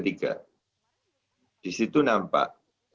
di situ nampak